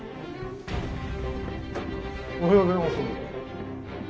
おはようございます。